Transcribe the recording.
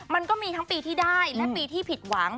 มันก็มีทั้งปีที่ได้และปีที่ผิดหวัง